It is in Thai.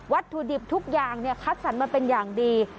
ถุดิบทุกอย่างคัดสรรมาเป็นอย่างดี